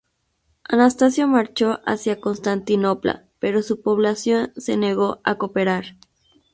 Anastasio marchó hacia Constantinopla, pero su población se negó a cooperar.